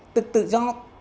được tự do